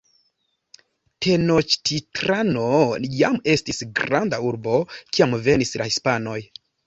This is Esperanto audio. Tenoĉtitlano jam estis granda urbo, kiam venis la Hispanoj.